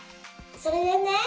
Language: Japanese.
それでね